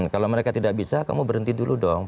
kalau mereka tidak bisa kamu berhenti dulu dong